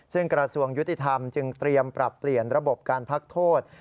ซึ่งกระทรวงยุติธรรมจึงเตรียมปรับเปลี่ยนระบบการพักโทษ